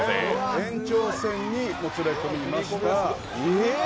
延長線にもつれ込みました。